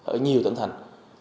ở nhiều tỉnh thành